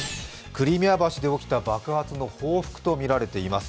クリミア橋で起きた爆発の報復とみられています。